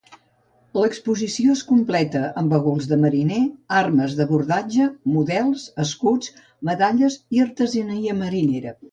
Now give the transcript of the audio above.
L'exposició es completa amb baguls de mariner, armes d'abordatge, models, escuts, medalles i artesania marinera.